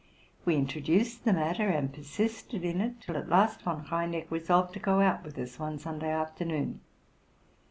We introduced the matter, and persisted in it ; till at last Von Reineck resolved to go out with us one Sunday afternoon.